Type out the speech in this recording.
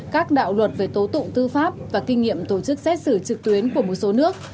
các đạo luật về tố tụng tư pháp và kinh nghiệm tổ chức xét xử trực tuyến của một số nước